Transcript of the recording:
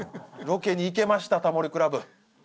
ロケに行けました『タモリ倶楽部』。